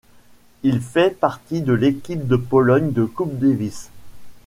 Il fait partie de l'équipe de Pologne de Coupe Davis.